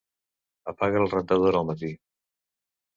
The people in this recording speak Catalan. Apaga la rentadora al matí.